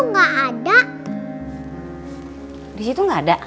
enggak ada di situ enggak ada